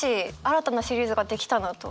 新たなシリーズが出来たなと。